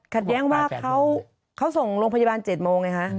แย้งว่าเขาส่งโรงพยาบาล๗โมงไงคะ